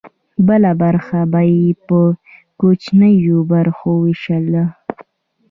بله برخه به یې په کوچنیو برخو ویشله.